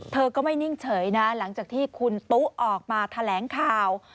เธอก็ไม่นิ่งเฉยนะหลังจากที่คุณตุ๊ออกมาแถลงข่าว